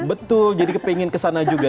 betul jadi pengen kesana juga